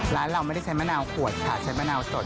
ร้านเราไม่ได้ใช้มะนาวขวดค่ะใช้มะนาวสด